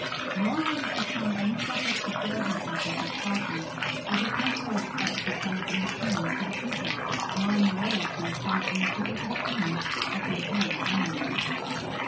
Nor would it become any subject to bear himself in such a fashion, as if no grace ought to descend from the king to the people, nor any loyalty ascend from the people to the king, but through him only."